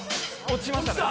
落ちましたね